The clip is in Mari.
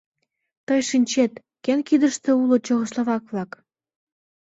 Тый шинчет, кӧн кидыште улыт чехословак-влак?